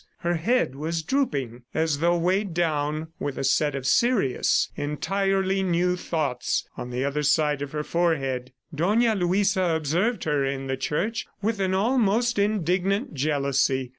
Her head was drooping as though weighed down with a set of serious, entirely new thoughts on the other side of her forehead. Dona Luisa observed her in the church with an almost indignant jealousy.